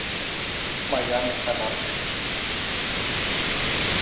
Μα η Άννα είχε ανάψει.